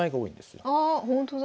あほんとだ。